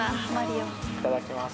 いただきます。